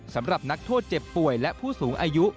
สำหรับนักโทษเจ็บป่วยและผู้สูงอายุ